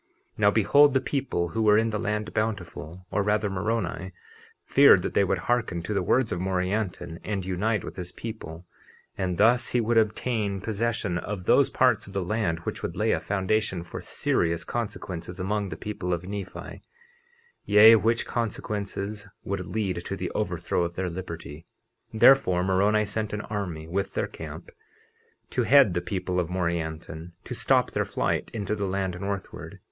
50:32 Now behold, the people who were in the land Bountiful, or rather Moroni, feared that they would hearken to the words of Morianton and unite with his people, and thus he would obtain possession of those parts of the land, which would lay a foundation for serious consequences among the people of Nephi, yea, which consequences would lead to the overthrow of their liberty. 50:33 Therefore Moroni sent an army, with their camp, to head the people of Morianton, to stop their flight into the land northward.